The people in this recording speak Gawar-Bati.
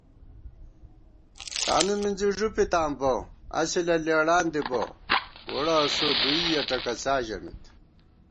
تانُو مِنزی ݫُپِتاں بہ اصِلہ لېڑان دِبہ ووڑہ اسُو دُوئیَہ ٹکَڅا ژمېت